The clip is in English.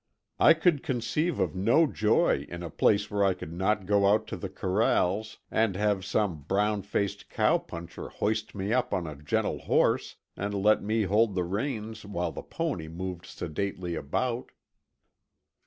I could conceive of no joy in a place where I could not go out to the corrals and have some brown faced cowpuncher hoist me up on a gentle horse and let me hold the reins while the pony moved sedately about.